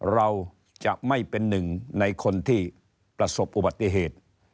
เราจะไม่เป็นหนึ่งในคนที่ประสบอุบัติเหตุ